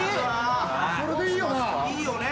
それでいいよな？